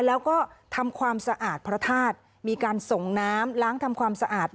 แล้วก็ทำความสะอาดพระธาตุมีการส่งน้ำล้างทำความสะอาด